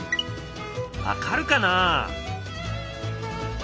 分かるかな？